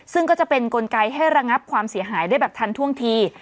ซึ่งก็จะเป็นกลไกให้ระงับความเสียหายได้แบบทันท่วงที